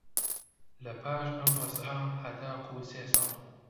لەپاش ئەم وەزعە هەتاکوو سێ ساڵ